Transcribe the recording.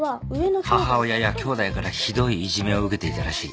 母親やきょうだいからひどいいじめを受けていたらしい。